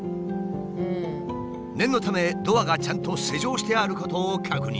念のためドアがちゃんと施錠してあることを確認。